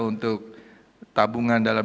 untuk tabungan dalam